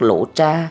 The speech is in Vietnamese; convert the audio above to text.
các lỗ tra